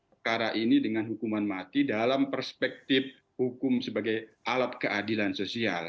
perkara ini dengan hukuman mati dalam perspektif hukum sebagai alat keadilan sosial